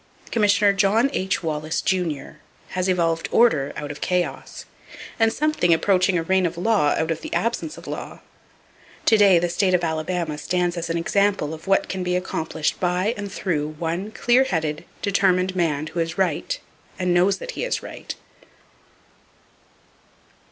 Commissioner John H. Wallace, Jr., has evolved order out of chaos,—and something approaching a reign of law out of the absence of law. To day the State of Alabama stands as an example of what can be accomplished by and through one clear headed, determined man who is right, and knows that he is right.